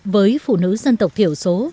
với phụ nữ dân tộc thiểu số